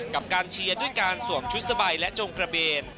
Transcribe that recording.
กับการเชียร์ด้วยการสวมชุดสบายและจงกระเบน